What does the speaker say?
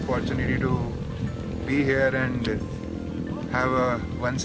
kita pikir ini adalah kesempatan yang sangat bagus untuk diberikan di sini